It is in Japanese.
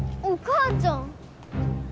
お母ちゃん。